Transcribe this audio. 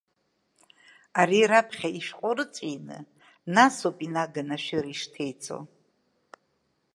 Ари раԥхьа ишәҟәы ырҵәины, насоуп инаганы ашәыра ишҭеиҵо…